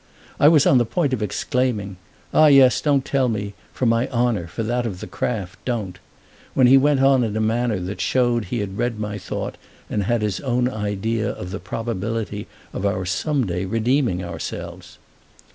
I was on the point of exclaiming "Ah yes, don't tell me: for my honour, for that of the craft, don't!" when he went on in a manner that showed he had read my thought and had his own idea of the probability of our some day redeeming ourselves.